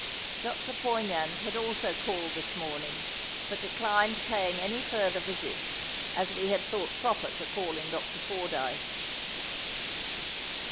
Dr. Poignand had also called this morning but declined paying any further visits, as we had thought proper to call in Dr. Fordyce.